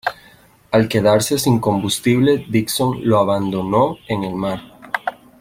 Al quedarse sin combustible, Dixon lo abandonó en el mar.